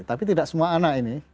tapi tidak semua anak ini